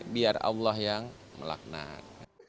biar allah yang melaknat